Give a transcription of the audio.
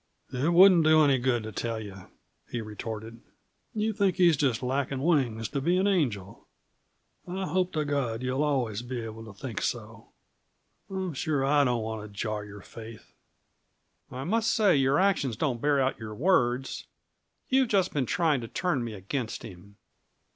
"It wouldn't do any good to tell you," he retorted. "You think he's just lacking wings to be an angel. I hope to God you'll always be able to think so! I'm sure I don't want to jar your faith." "I must say your actions don't bear out your words. You've just been trying to turn me against him."